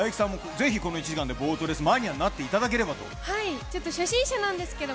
冴木さんもぜひ、この１時間でボートレースマニアになっていただければと。